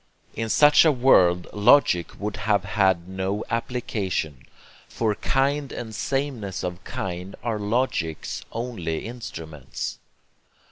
In such a world logic would have had no application; for kind and sameness of kind are logic's only instruments.